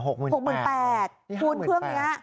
๖หมื่น๘